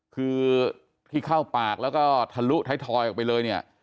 คือที่เข้าปากแล้วก็ทะลุท้ายทอยออกไปเลยเนี่ย